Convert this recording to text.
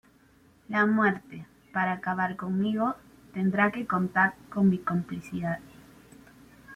La muerte, para acabar conmigo, tendrá que contar con mi complicidad.